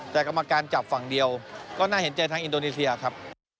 แต่กรรมการจับฝั่งเดียวก็น่าเห็นใจทางอินโดนีเซียครับ